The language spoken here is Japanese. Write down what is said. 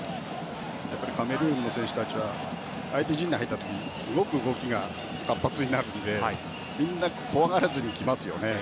やっぱりカメルーンの選手たちは相手陣内に入った時にすごく動きが活発になるのでみんな怖がらずに来ますよね。